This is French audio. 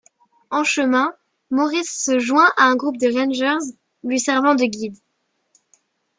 En chemin, Morris se joint à un groupe de rangers lui servant de guide.